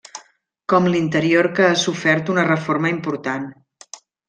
Com l’interior que ha sofert una reforma important.